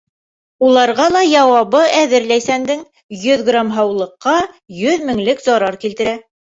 Уларға ла яуабы әҙер Ләйсәндең: йөҙ грамм һаулыҡҡа йөҙ меңлек зарар килтерә!